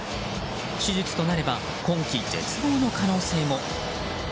手術となれば今季絶望の可能性も。